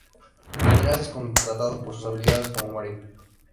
Andreas es contratado por sus habilidades como Marino.